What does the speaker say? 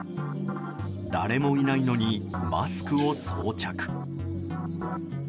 誰もいないのにマスクを装着。